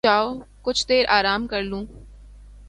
کمرے میں جاؤ کچھ دیر آرام کر لوں لو